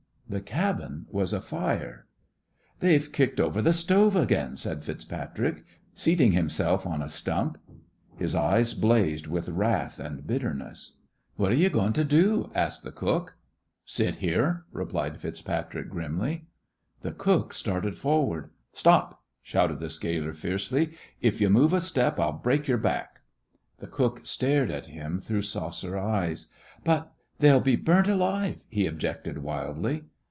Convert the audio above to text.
The cabin was afire. "They've kicked over th' stove again," said FitzPatrick, seating himself on a stump. His eyes blazed with wrath and bitterness. "What yo' goin' to do?" asked the cook. "Sit here," replied FitzPatrick, grimly. The cook started forward. "Stop!" shouted the scaler, fiercely; "if you move a step, I'll break your back!" The cook stared at him through saucer eyes. "But they'd be burnt alive!" he objected, wildly.